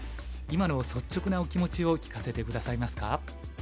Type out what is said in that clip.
今の率直なお気持ちを聞かせて下さいますか？